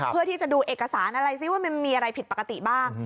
เพื่อที่จะดูเอกสารอะไรซิว่ามันมีอะไรผิดปกติบ้าง